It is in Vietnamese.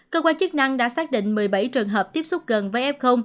cơ quan chức năng đã xác định một mươi bảy trường hợp tiếp xúc gần với f